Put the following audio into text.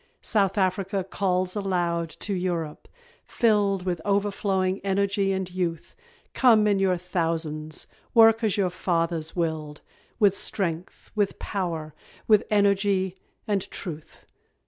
South Afric calls aloud to Europe, filled With overflowing energy and youth, Come in your thousands work as your fathers willed, With strength, with power, with energy and truth.